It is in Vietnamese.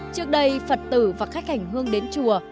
trước đây phật tử và khách hành hương đến chùa